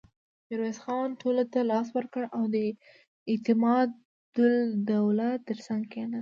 ميرويس خان ټولو ته لاس ورکړ او د اعتماد الدوله تر څنګ کېناست.